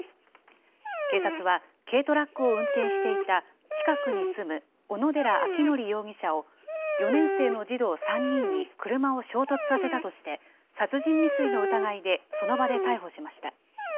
警察は軽トラックを運転していた近くに住む小野寺章仁容疑者を、４年生の児童３人に車を衝突させたとして、殺人未遂の疑いでその場で逮捕しました。